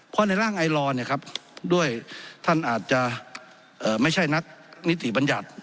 เพราะในร่างไอลอร์ด้วยท่านอาจจะไม่ใช่นักนิติบัญญัติ